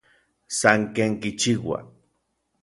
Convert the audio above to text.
San ken kichiua.